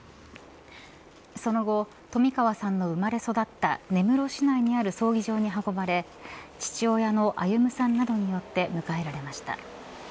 その後冨川さんの生まれ育った根室市内にある葬儀場に運ばれ父親の歩さんなどによって迎えられました。